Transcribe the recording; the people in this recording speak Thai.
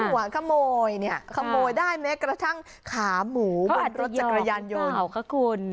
หัวขโมยเนี่ยขโมยได้แม้กระทั่งขาหมูบนรถจักรยานยนต์